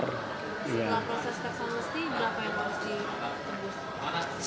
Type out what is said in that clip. setelah proses kecelakaan mesti berapa yang harus ditebus